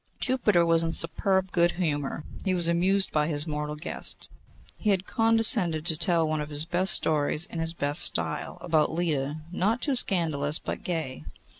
Jupiter was in superb good humour. He was amused by his mortal guest. He had condescended to tell one of his best stories in his best style, about Leda, not too scandalous, but gay.